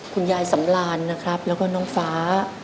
คุณยายสำรานนะครับแล้วก็น้องฟ้า